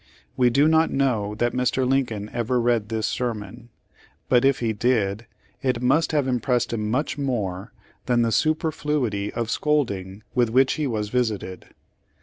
We do not know that Mr. Lincoln ever read this sermon, but if he did it must have impressed him much more than the superfluity of scolding with which he was visited.